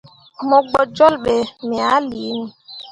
Mo gbo jolle be me ah liini.